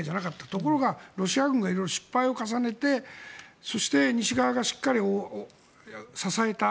ところがロシア軍が色々失敗を重ねてそして西側がしっかり支えた。